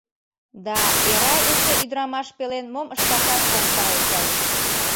Да, Эрай эше ӱдырамаш пелен мом ышташат ок пале чай.